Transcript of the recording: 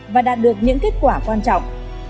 và đạt được những kết quả quan trọng